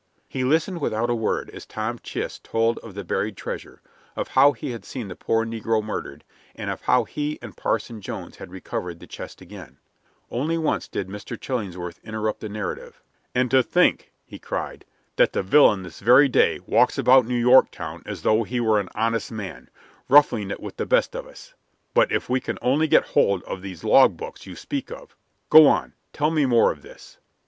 He listened without a word as Tom Chist told of the buried treasure, of how he had seen the poor negro murdered, and of how he and Parson Jones had recovered the chest again. Only once did Mr. Chillingsworth interrupt the narrative. "And to think," he cried, "that the villain this very day walks about New York town as though he were an honest man, ruffling it with the best of us! But if we can only get hold of these log books you speak of. Go on; tell me more of this."